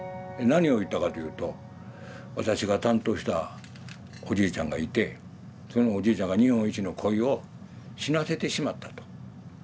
何を言ったかというと私が担当したおじいちゃんがいてそのおじいちゃんが日本一のコイを死なせてしまったと。